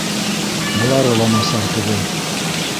Былары ла насар түгел.